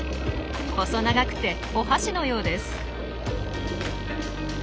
細長くてお箸のようです。